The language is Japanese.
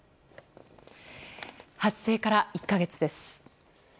発生から１か月です。